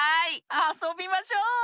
あそびましょう！